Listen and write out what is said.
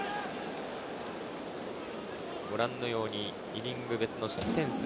ご覧のようにイニング別の失点数、